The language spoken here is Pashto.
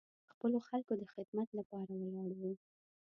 د خپلو خلکو د خدمت لپاره ولاړ و.